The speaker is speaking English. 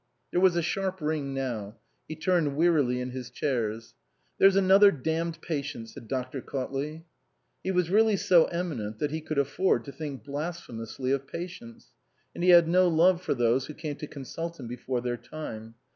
There was a sharp ring now. He turned wearily in his chairs. " There's another damned patient," said Dr. Cautley. He was really so eminent that he could afford to think blasphemously of patients ; and he had no love for those who came to consult him before their time.